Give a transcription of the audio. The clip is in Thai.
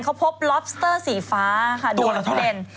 เขาพบล็อบสเตอร์สีฟ้าเหมือนกันโดยทุเดน